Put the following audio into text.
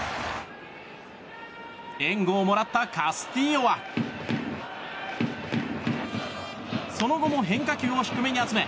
援護をもらったカスティーヨはその後も変化球を低めに集め